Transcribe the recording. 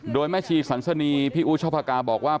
โดยแม่ชีสันสนีพี่อูชพกาบอกว่า